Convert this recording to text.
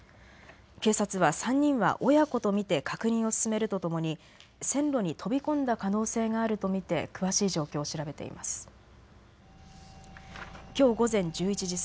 警察は３人は親子と見て確認を進めるとともに線路に飛び込んだ可能性があると見て詳しい状況を調べています。